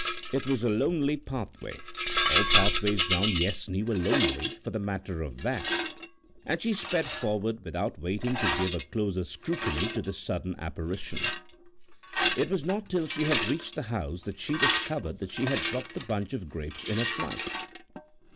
It was a lonely pathway, all pathways round Yessney were lonely for the matter of that, and she sped forward without waiting to give a closer scrutiny to this sudden apparition. It was not till she had reached the house that she discovered that she had dropped the bunch of grapes in her flight.